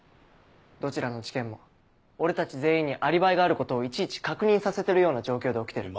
どちらの事件も俺たち全員にアリバイがあることをいちいち確認させてるような状況で起きてる。